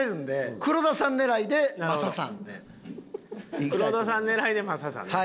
黒田さん狙いで雅さん？